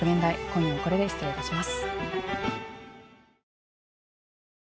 今夜は、これで失礼いたします。